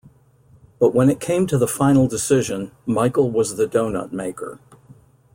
But when it came to the final decision, Michael was the donut maker.